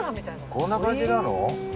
こんな感じなの？